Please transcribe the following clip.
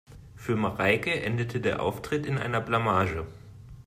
Für Mareike endete der Auftritt in einer Blamage.